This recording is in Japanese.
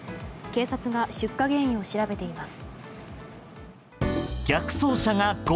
警察が出火原因を調べています。